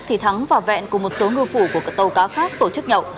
thì thắng và vẹn cùng một số ngư phủ của tàu cá khác tổ chức nhậu